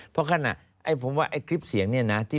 เพราะฉะนั้นผมว่าไอ้คลิปเสียงนี้นะ